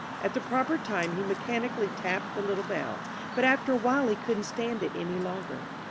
At the proper time he mechanically tapped the little bell, but after a while he couldn't stand it any longer.